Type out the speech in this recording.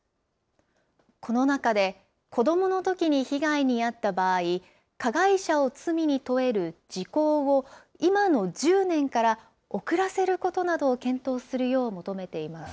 この中で、子どものときに被害に遭った場合、加害者を罪に問える時効を、今の１０年から遅らせることなどを検討するよう求めています。